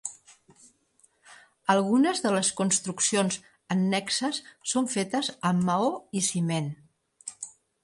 Algunes de les construccions annexes són fetes amb maó i ciment.